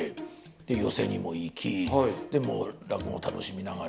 寄席にも行き落語を楽しみながら。